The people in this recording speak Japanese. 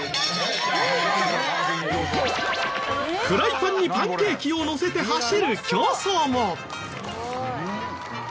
フライパンにパンケーキをのせて走る競走も。